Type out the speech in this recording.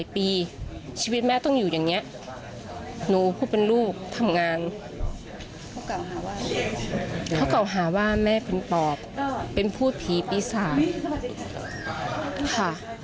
พูดเป็นลูกทำงานเขากล่าวหาว่าแม่เป็นปอบเป็นผู้ผีปีศาสตร์ค่ะ